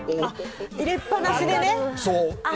入れっぱなしでね。